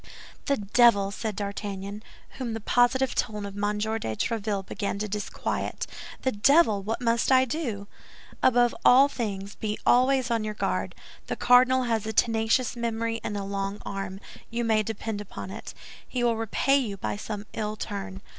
"The devil!" said D'Artagnan, whom the positive tone of M. de Tréville began to disquiet, "the devil! What must I do?" "Above all things be always on your guard. The cardinal has a tenacious memory and a long arm; you may depend upon it, he will repay you by some ill turn."